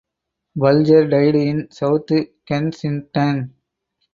Boulger died in South Kensington.